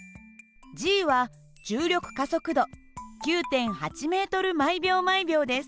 は重力加速度９．８ｍ／ｓです。